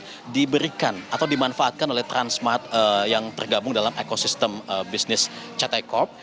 jelang lebaran ini betul betul diberikan atau dimanfaatkan oleh transmart yang tergabung dalam ekosistem bisnis cetecoop